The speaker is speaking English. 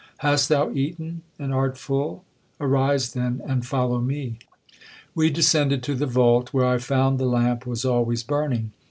'Hast thou eaten, and art full? Arise, then, and follow me.' 'We descended to the vault, where I found the lamp was always burning.